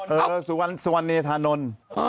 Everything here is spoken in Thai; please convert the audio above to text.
สุวรรณเนธานนท์